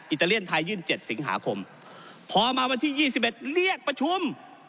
อิตาเลียนไทยยื่น๗สิงหาคมพอมาวันที่๒๑เรียกประชุม